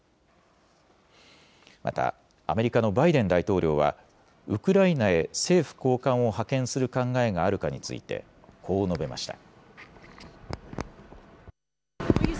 また、アメリカのバイデン大統領はウクライナへ政府高官を派遣する考えがあるかについてこう述べました。